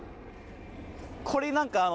これ何か。